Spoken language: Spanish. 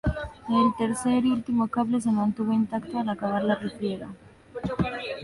El tercer y último cable se mantuvo intacto al acabar la refriega.